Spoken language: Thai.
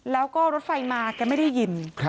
แล้วก็รถไฟมาแกไม่ได้ยิน